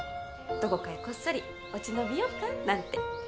どこかへこっそり落ち延びようかなんて。